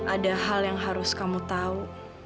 ada hal yang harus kamu tahu